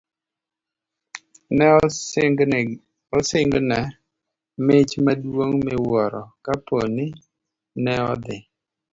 Ne osingne mich madongo miwuoro kapo ni ne odhi